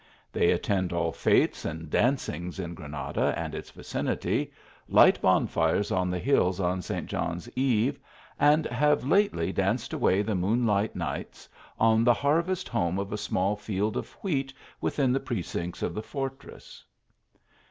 They attend all fetes ana dancings in Granada and its vicinity, light bon fire= on the hills of St. John s eve, and have lately danced away the moonlight nights, on the harvest home of a small field of wheat within the ^recincts of the for tress.